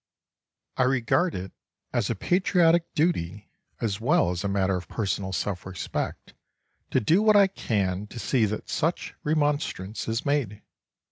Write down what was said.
I regard it as a patriotic duty, as well as a matter of personal self respect, to do what I can to see that such remonstrance is made.